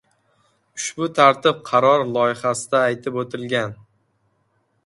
Ushbu tartib qaror loyihasida aytib oʻtilgan.